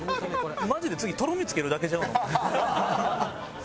マジで次とろみ付けるだけちゃうの？